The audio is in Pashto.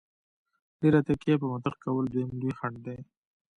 ډېره تکیه په منطق کول دویم لوی خنډ دی.